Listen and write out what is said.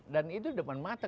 dan itu depan mata